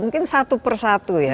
mungkin satu per satu ya